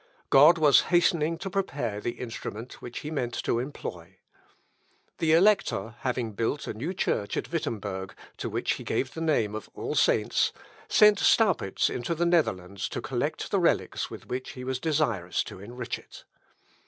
God was hastening to prepare the instrument which he meant to employ. The elector having built a new church at Wittemberg, to which he gave the name of "All Saints," sent Staupitz into the Netherlands to collect the relics with which he was desirous to enrich it.